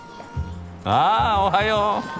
ああおはよう！